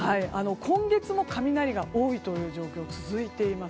今月も雷が多い状況が続いています。